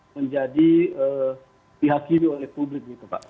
menjadi pihak kini oleh publik